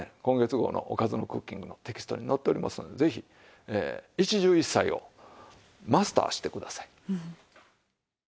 今月号の『おかずのクッキング』のテキストに載っておりますのでぜひ一汁一菜をマスターしてください。